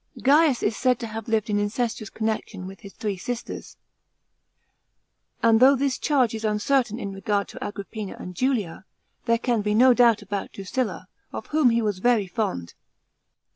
§ 7. Gaius is said to have lived in incestuous connection with his three sisters,* and though this charge is uncertain in regard to Agrippina and Julia, there can be no doubt about Drusilla, of whom he was very fond.